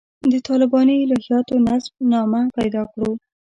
د طالباني الهیاتو نسب نامه پیدا کړو.